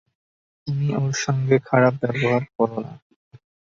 তুমি ওর সঙ্গে খারাপ ব্যবহার করো না।